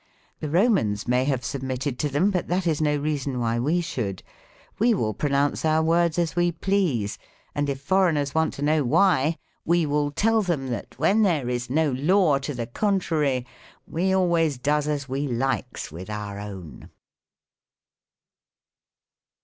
The Romans may have submitted to them, but that is no reason why we should. We will pronounce our words as we please : and if foreigners want to know why, we will tell them that, wlicn there is no law to the contrary, we always does as we likes with our own.